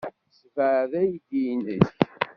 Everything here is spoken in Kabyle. Ssebɛed aydi-nnek.